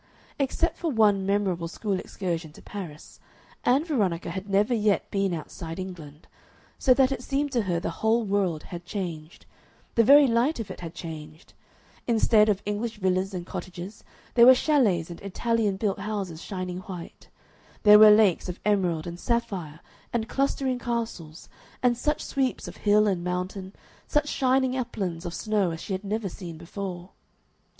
Except for one memorable school excursion to Paris, Ann Veronica had never yet been outside England. So that it seemed to her the whole world had changed the very light of it had changed. Instead of English villas and cottages there were chalets and Italian built houses shining white; there were lakes of emerald and sapphire and clustering castles, and such sweeps of hill and mountain, such shining uplands of snow, as she had never seen before.